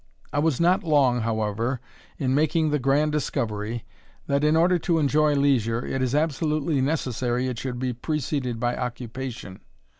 I was not long, however, in making the grand discovery, that in order to enjoy leisure, it is absolutely necessary it should be preceded by occupation.